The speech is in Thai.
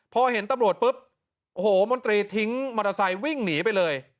พอเห็นตำรวจปุ๊บโอ้โหมนตรีทิ้งมอเตอร์ไซค์วิ่งหนีไปเลย